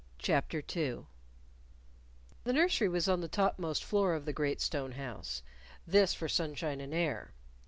CHAPTER II The nursery was on the top most floor of the great stone house this for sunshine and air.